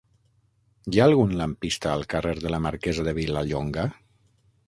Hi ha algun lampista al carrer de la Marquesa de Vilallonga?